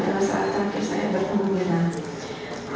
dan penunjukkan video yang mudah